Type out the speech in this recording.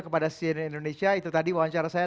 kepada cnn indonesia itu tadi wawancara saya